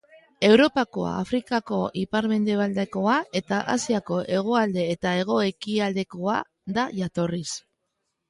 Europakoa, Afrikako ipar-mendebaldekoa, eta Asiako hegoalde eta hego-ekialdekoa da jatorriz.